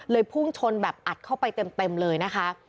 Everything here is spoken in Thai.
พุ่งชนแบบอัดเข้าไปเต็มเลยนะคะ